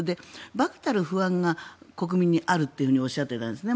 ばくたる不安が国民にあるっておっしゃっていたんですね